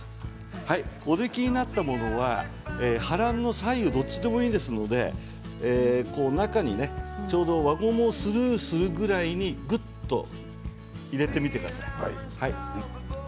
お出来になったものはハランの左右どちらでもいいですのでちょうど輪ゴムをスルーするぐらいぐっと中に入れてみてください。